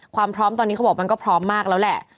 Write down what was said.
ความพร้อมตอนนี้เขาบอกมันก็พร้อมมากแล้วแหละ